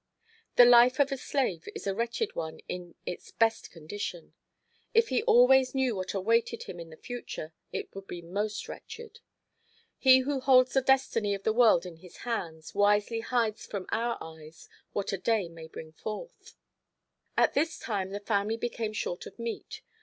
The life of a slave is a wretched one in its best condition; if he always knew what awaited him in the future, it would be most wretched. He who holds the destiny of the world in His hands wisely hides from our eyes what a day may bring forth. At this time the family became short of meat.